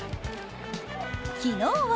昨日は